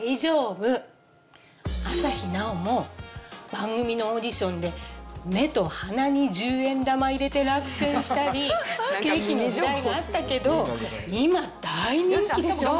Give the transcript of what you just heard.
朝日奈央も番組のオーディションで目と鼻に１０円玉入れて落選したり不景気の時代があったけど今大人気でしょ。